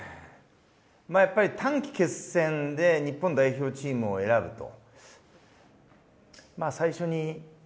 まあやっぱり短期決戦で日本代表チームを選ぶと。